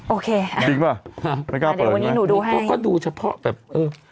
โอเคอะเพราะว่าเออเราก็ดูเฉพาะแบบอืม